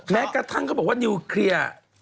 แม้กระทั่งเขาบอกว่านิวเคลียร์